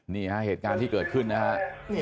นี่ฮะเหตุการณ์ที่เกิดขึ้นนะครับ